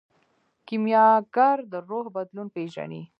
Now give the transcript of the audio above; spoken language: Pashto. کیمیاګر د روح بدلون پیژني.